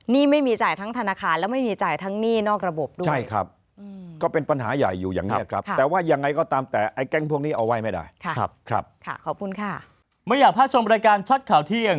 นี่ไม่มีจ่ายทั้งธนาคารและไม่มีจ่ายทั้งหนี้นอกระบบด้วยใช่ครับก็เป็นปัญหาใหญ่อยู่อย่างนี้ครับแต่ว่ายังไงก็ตามแต่ไอ้แก๊งพวกนี้เอาไว้ไม่ได้